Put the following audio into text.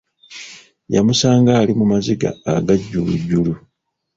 Yamusanga ali mu maziga aga jjulujjulu.